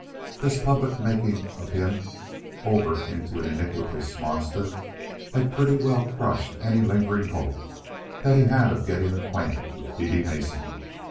This public making of him over into an iniquitous monster had pretty well crushed any lingering hope he had of getting acquainted with Dede Mason.